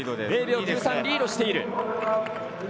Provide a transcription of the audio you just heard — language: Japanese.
０秒９３リードしている。